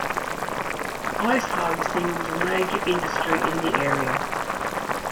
Ice harvesting was a major industry in the area.